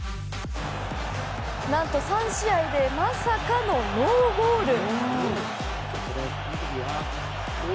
何と３試合でまさかのノーゴール。